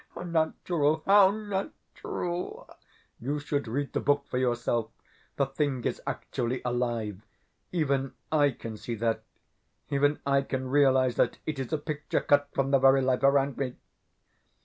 How natural, how natural! You should read the book for yourself. The thing is actually alive. Even I can see that; even I can realise that it is a picture cut from the very life around me.